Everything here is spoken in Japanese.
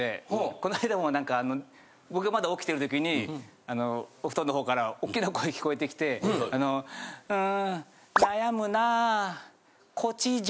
こないだも何か僕がまだ起きてる時にお布団の方からおっきな声聞こえてきてあのうん。